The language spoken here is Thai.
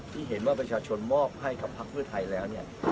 ที่เห็นว่าประชาชนมอบให้กับพักเพื่อไทยแล้วเนี่ย